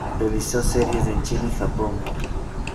Realizó series en China y Japón.